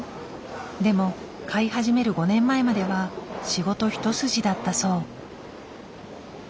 でも飼い始める５年前までは仕事一筋だったそう。